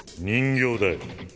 人形だよ。